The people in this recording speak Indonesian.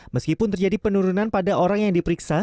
meskipun terjadi penurunan pada orang yang diperiksa